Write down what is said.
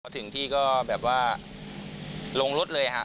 ถึงที่ก็แบบว่าลงรถเลยฮะ